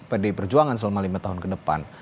pdi perjuangan selama lima tahun ke depan